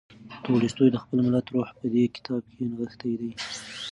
تولستوی د خپل ملت روح په دې کتاب کې نغښتی دی.